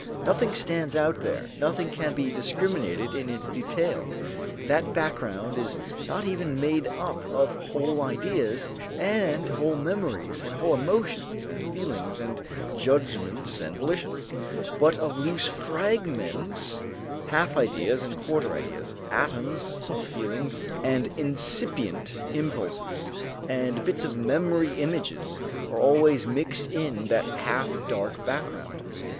Nothing stands out there, nothing can be discriminated in its detail. That background is not even made up of whole ideas and whole memories and whole emotions and feelings and judgments and volitions, but of loose fragments; half ideas and quarter ideas, atoms of feelings and incipient impulses and bits of memory images are always mixed in that half dark background.